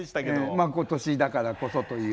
まあ今年だからこそという。